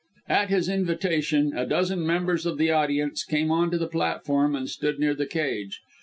At his invitation, a dozen members of the audience came on to the platform and stood near the cage.